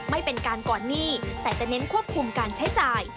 ไม่เป็นการก่อนหนี้แต่จะเน้นควบคุมการใช้จ่าย